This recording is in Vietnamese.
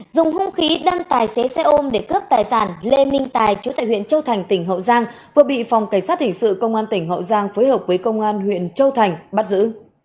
dùng hung khí đâm tài xế xe ôm để cướp tài sản lê minh tài chủ tại huyện châu thành tỉnh hậu giang vừa bị phòng cảnh sát hình sự công an tỉnh hậu giang phối hợp với công an huyện châu thành bắt giữ